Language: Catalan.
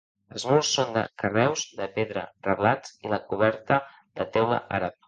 Els murs són de carreus de pedra reblats i la coberta de teula àrab.